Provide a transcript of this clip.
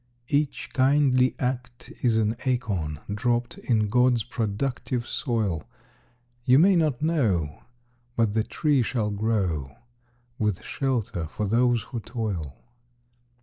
Each kindly act is an acorn dropped In God's productive soil. You may not know, but the tree shall grow, With shelter for those who toil.